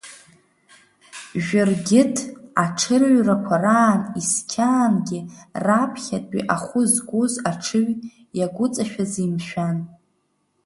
Жәыргьыҭ аҽырҩрақәа раан есқьаангьы раԥхьатәи ахәы згоз аҽыҩ, иагәыҵашәазеи, мшәан?